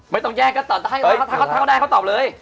ไม่ต้องแยกถ้าเขาได้ก็ตอบเลย